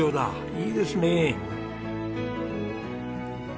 いいですねえ。